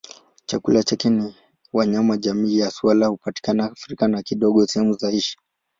Chakula chake ni wanyama jamii ya swala hupatikana Afrika na kidogo sehemu za Asia.